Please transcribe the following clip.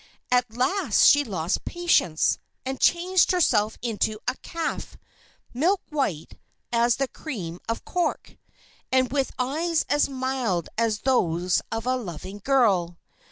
At last she lost patience, and changed herself into a calf, milk white as the cream of Cork, and with eyes as mild as those of a loving girl.